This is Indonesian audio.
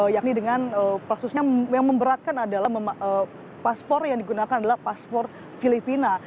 yang memperatkan adalah paspor yang digunakan adalah paspor filipina